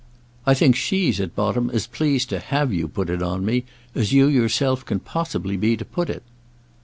I think she's at bottom as pleased to have you put it on me as you yourself can possibly be to put it."